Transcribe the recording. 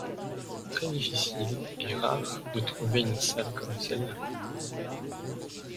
C'est très difficile et rare de trouver une salle comme celle-là.